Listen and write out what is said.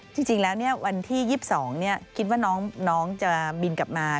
จริงแล้ววันที่๒๒คิดว่าน้องจะบินกลับมา